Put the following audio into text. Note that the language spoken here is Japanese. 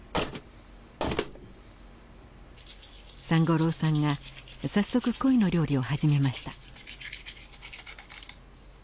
三五郎さんが早速コイの料理を始めました。